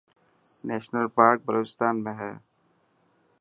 نيشنل پارڪ بلوچستان ۾ هي.